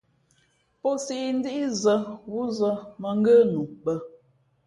Pō siʼ ndí zᾱ wúzᾱ mᾱ ngə́ nu bᾱ.